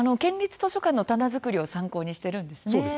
県立図書館の棚作りを参考にしているんですね。